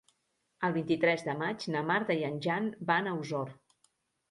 El vint-i-tres de maig na Marta i en Jan van a Osor.